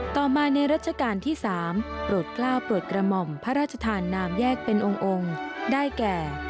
ต่อมาในรัชกาลที่๓โปรดกล้าวโปรดกระหม่อมพระราชทานนามแยกเป็นองค์ได้แก่